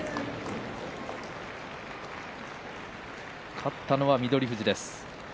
勝ったのは翠富士です。